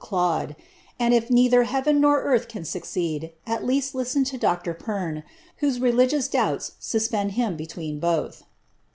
Clod ; and if neither heaven nor earth can succeed, at Wi listen to Dr. Perne, whose religious doubts suspend him between both."